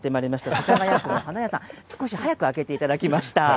世田谷区の花屋さん、少し早く開けていただきました。